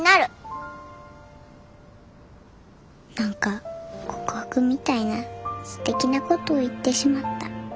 心の声何か告白みたいなすてきなことを言ってしまった。